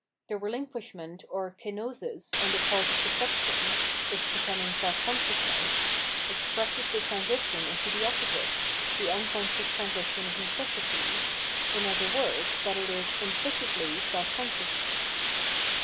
The relinquishment or " kenosis " on the part of the substance, its becoming self consciousness, expresses the transition into the opposite, the unconscious transition of necessity, in other words, that it is implicitly self consciousness.